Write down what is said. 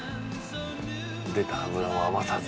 出た脂も余さず。